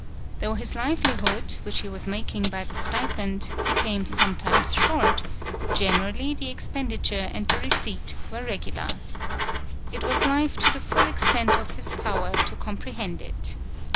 Though his livelihood, which he was making by the stipend, became sometimes short, generally the expen diture and the receipt were regular. It was life to the full extent of his power to comprehend it.